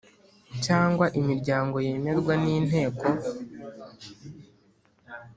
cyangwa imiryango yemerwa n Inteko